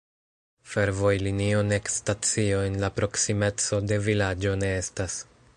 Fervojlinio nek stacio en la proksimeco de vilaĝo ne estas.